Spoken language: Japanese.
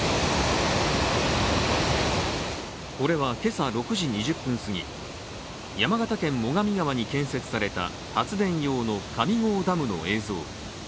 これは今朝６時２０分すぎ、山形県最上川に建設された発電用の上郷ダムの映像。